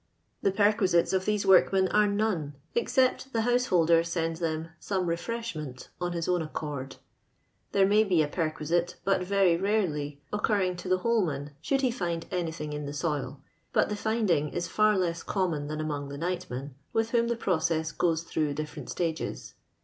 The perquisites of these workmen are none, except the householder sends them some re freshment on his own accord. There may be a perquisite, but very rarely, occurring to the holeman, should he find anything in the soil ; but the fludiugis far less common than among the nightmen, with whom the process goes through di£ferent stages.